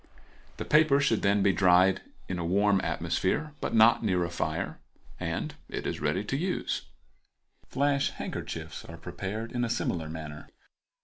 The paper should then be dried in a warm atmosphere, but not near a fire, and it is ready for use. Flash handkerchiefs are prepared in a similar manner.